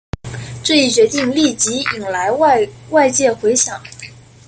这一决定立即引来外界回响。